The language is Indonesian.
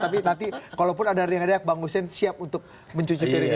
tapi nanti kalaupun ada riak riak bang hussein siap untuk mencuci kiri ya